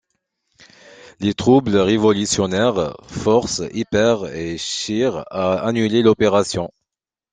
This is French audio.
Les troubles révolutionnaires forcent Hipper et Scheer à annuler l'opération.